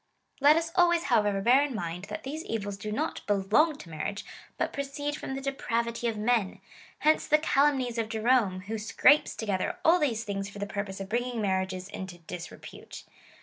Let us always, however, bear in mind, that these evils do not belong to marriage, but proceed from the depravity of men. Hence the calumnies of Jerome,^ who scrapes together all these things for the purpose of bringing marriages into dis repute.